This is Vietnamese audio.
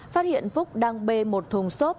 phát hiện phúc đang bê một thùng xốp